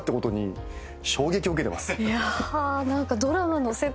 いや何か。